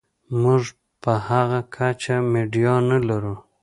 موږ په هغه کچه میډیا نلرو.